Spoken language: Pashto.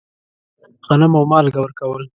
غنم او مالګه ورکول.